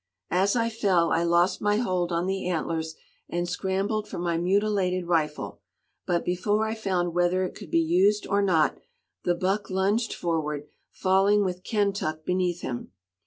As I fell I lost my hold on the antlers and scrambled for my mutilated rifle; but before I found whether it could be used or not, the buck lunged forward, falling with Kentuck beneath him.